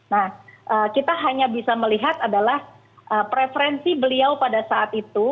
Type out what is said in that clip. nah kita hanya bisa melihat adalah preferensi beliau pada saat itu